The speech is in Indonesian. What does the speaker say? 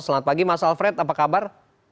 selamat pagi mas alfred apa kabar